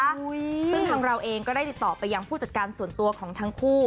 ซึ่งทางเราเองก็ได้ติดต่อไปยังผู้จัดการส่วนตัวของทั้งคู่